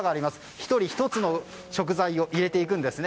１人１つの食材を入れていくんですね。